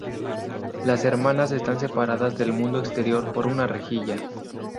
Las hermanas están separadas del mundo exterior por una rejilla.